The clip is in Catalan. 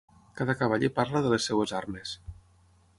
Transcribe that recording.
Cada cavaller parla de les seves armes.